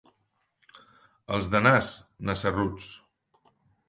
Els de Nas, nassarruts.